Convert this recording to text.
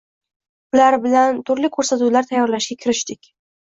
Ular bilan turli ko‘rsatuvlar tayyorlashga kirishdik.